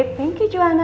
terima kasih joanna